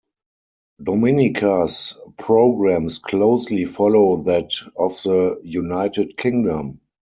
Dominica's programs closely follow that of the United Kingdom.